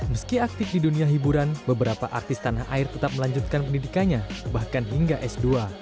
meski aktif di dunia hiburan beberapa artis tanah air tetap melanjutkan pendidikannya bahkan hingga s dua